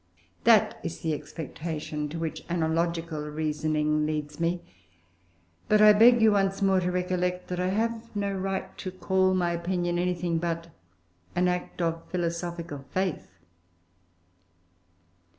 That is the expectation to which analogical reasoning leads me; but I beg you once more to recollect that I have no right to call my opinion anything but an act of philosophical faith.